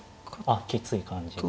あっきつい感じで。